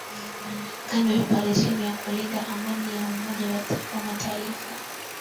kando na operesheni ya kulinda Amani ya Umoja wa mataifa